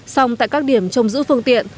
xong tại các điểm trông giữ phương tiện